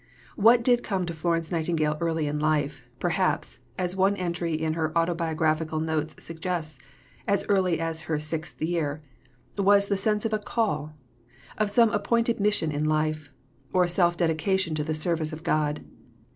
What did come to Florence Nightingale early in life perhaps, as one entry in her autobiographical notes suggests, as early as her sixth year was the sense of a "call"; of some appointed mission in life; of self dedication to the service of God.